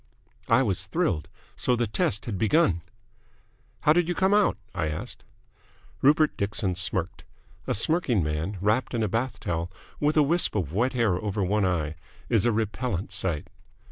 I was thrilled. So the test had begun! "How did you come out?" I asked. Rupert Dixon smirked. A smirking man, wrapped in a bath towel, with a wisp of wet hair over one eye, is a repellent sight.